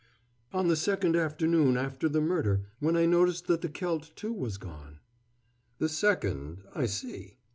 "On the second afternoon after the murder, when I noticed that the celt, too, was gone." "The second I see."